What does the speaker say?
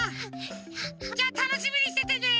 じゃあたのしみにしててね！